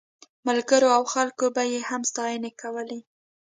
ملګرو او خلکو به یې هم ستاینې کولې.